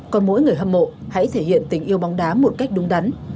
còn mỗi người hâm mộ hãy thể hiện tình yêu bóng đá một cách đúng đắn